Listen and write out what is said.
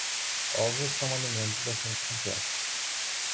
Ovos são um alimento bastante completo